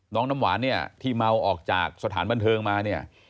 น้ำหวานเนี่ยที่เมาออกจากสถานบันเทิงมาเนี่ย